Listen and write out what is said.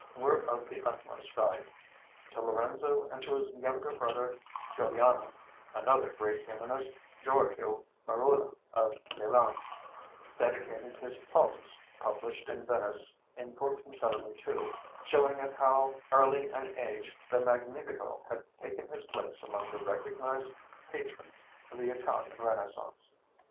were of the utmost value. To Lorenzo and to his younger brother Giuliano, another great humanist, Giorgio Merula of Milan, dedicated his Plautus, published in Venice in 1472, showing at how early an age the Magnifico had taken his place among the recognized patrons of the Italian Renaissance.